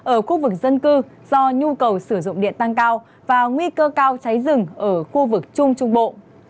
ở khu vực dân cư do nhu cầu sử dụng điện tăng cao và nguy cơ cao cháy rừng ở khu vực trung trung bộ